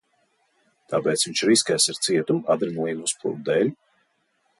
Tāpēc viņš riskēs ar cietumu adrenalīna uzplūdu dēļ?